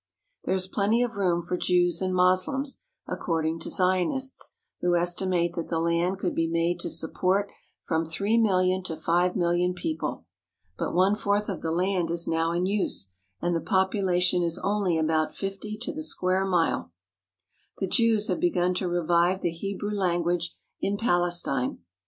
There is plenty of room for Jews and Moslems, accord ing to Zionists, who estimate that the land could be made to support from three million to five million people. But one fourth of the land is now in use, and the population is only about fifty to the square mile. The Jews have begun to revive the Hebrew language in Palestine.